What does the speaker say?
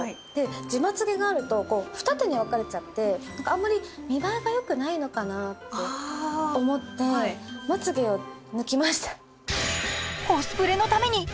締めつげがあると二手に分かれちゃって見栄えがよくないのかなと思ってまつげをぬきました。